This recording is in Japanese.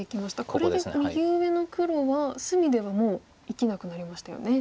これで右上の黒は隅ではもう生きなくなりましたよね。